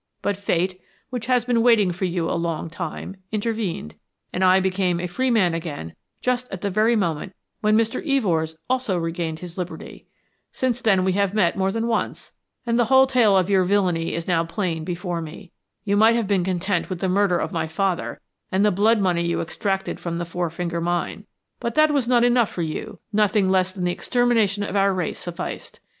But Fate, which has been waiting for you a long time, intervened, and I became a free man again just at the very moment when Mr. Evors also regained his liberty. Since then we have met more than once, and the whole tale of your villainy is now plain before me. You might have been content with the murder of my father and the blood money you extracted from the Four Finger Mine, but that was not enough for you nothing less than the extermination of our race sufficed.